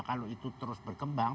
kalau itu terus berkembang